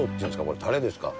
これたれですか？